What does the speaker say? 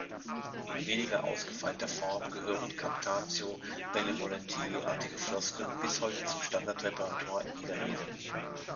In weniger ausgefeilter Form gehören captatio-benevolentiae-artige Floskeln bis heute zum Standardrepertoire jeder Rede.